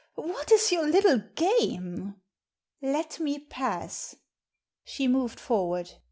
What is your little game ?"'* Let me pass !" She moved forward.